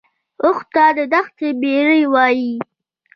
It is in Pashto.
اوښ ته د دښتې بیړۍ وایي